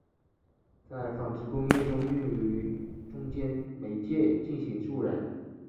在纺织工业中用作中间媒介进行助染。